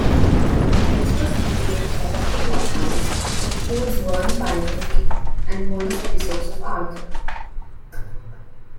Extras included character profiles, a Jules Verne biography, and bonus episodes of Arthur!